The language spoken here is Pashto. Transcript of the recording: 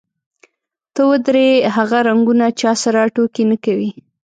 ته ودرې، هغه رنګونه چا سره ټوکې نه کوي.